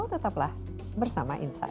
tetaplah bersama insight